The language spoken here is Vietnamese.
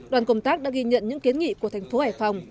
đoàn công tác đã ghi nhận những kiến nghị của thành phố hải phòng